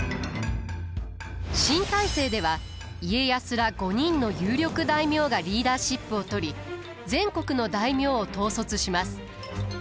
新体制では家康ら５人の有力大名がリーダーシップをとり全国の大名を統率します。